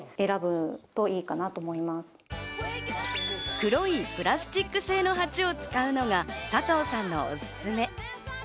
黒いプラスチック製の鉢を使うのがさとうさんのオススメ。